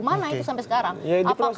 mana itu sampai sekarang